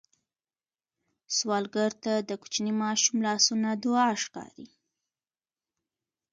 سوالګر ته د کوچني ماشوم لاسونه دعا ښکاري